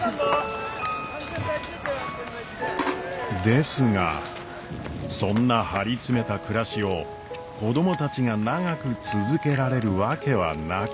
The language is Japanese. ですがそんな張り詰めた暮らしを子供たちが長く続けられるわけはなく。